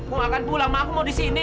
aku nggak akan pulang ma aku mau di sini